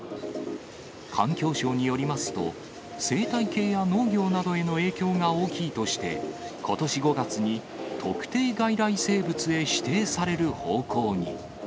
環境省によりますと、生態系や農業などへの影響が大きいとして、ことし５月に、特定外来生物へ指定される方向に。